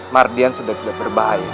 merdian sudah tidak berbahaya